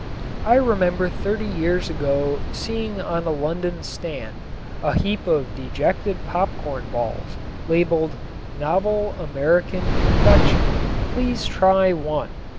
I remember thirty years ago seeing on a London stand a heap of dejected popcorn balls labeled "Novel American Confection. Please Try One."